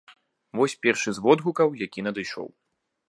Вось першы з водгукаў, які надышоў.